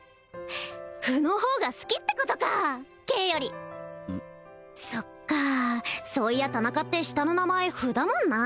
歩の方が好きってことか桂よりそっかーそういや田中って下の名前歩だもんな